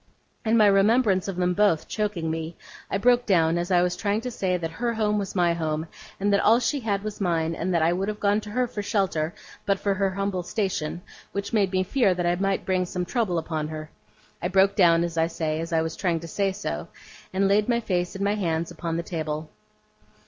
And my remembrance of them both, choking me, I broke down as I was trying to say that her home was my home, and that all she had was mine, and that I would have gone to her for shelter, but for her humble station, which made me fear that I might bring some trouble on her I broke down, I say, as I was trying to say so, and laid my face in my hands upon the table.